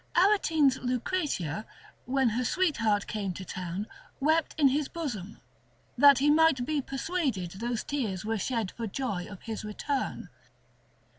Aretine's Lucretia, when her sweetheart came to town, wept in his bosom, that he might be persuaded those tears were shed for joy of his return.